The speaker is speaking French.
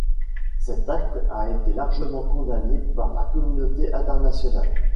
Cet acte a été largement condamné par la communauté internationale.